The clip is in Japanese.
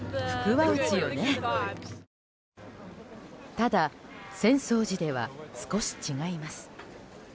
ただ、浅草寺では少し違います。